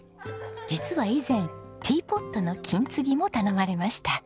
実は以前ティーポットの金継ぎも頼まれました。